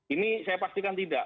ini saya pastikan tidak